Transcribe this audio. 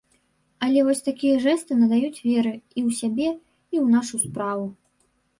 Але вось такія жэсты надаюць веры і ў сябе, і ў нашу справу.